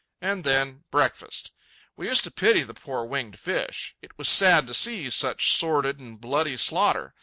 And then—breakfast. We used to pity the poor winged fish. It was sad to see such sordid and bloody slaughter.